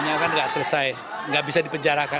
hanya kan nggak selesai nggak bisa dipejarakan